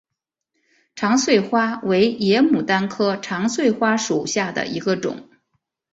长穗花为野牡丹科长穗花属下的一个种。